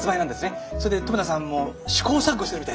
それで留田さんも試行錯誤してるみたいで。